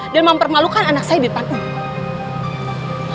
dan mempermalukan anak saya di depan umum